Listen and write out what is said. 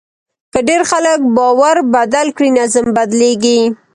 که ډېر خلک باور بدل کړي، نظم بدلېږي.